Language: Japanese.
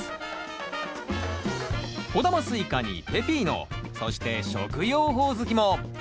小玉スイカにペピーノそして食用ホオズキも。